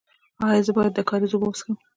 ایا زه باید د کاریز اوبه وڅښم؟